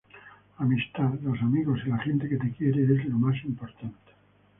Amistad: Los amigos y la gente que te quiere es lo más importante.